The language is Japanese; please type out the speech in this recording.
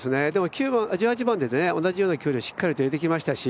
１８番で同じような距離をしっかりと入れてきましたし